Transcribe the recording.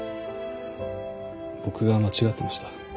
僕が間違ってました。